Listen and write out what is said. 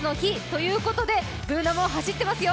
ということで、Ｂｏｏｎａも走ってますよ。